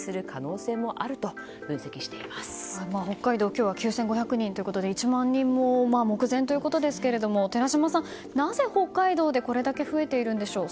今日は９５００人ということで１万人も目前ということですが寺嶋さん、なぜ北海道でこれだけ増えているんでしょう。